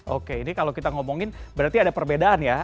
oke ini kalau kita ngomongin berarti ada perbedaan ya